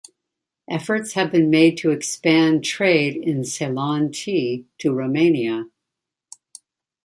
Efforts have been made to expand trade in Ceylon tea to Romania.